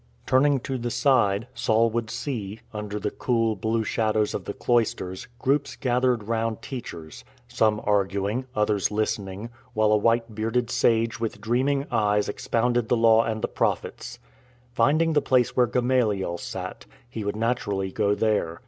Turning to the side, Saul would see, under the cool, blue shadows of the cloisters, groups gathered round teachers ; some arguing, others listening, while a white bearded sage with dreaming eyes expounded the Law and the Prophets. Finding the place where Gamaliel sat, he would naturally go there.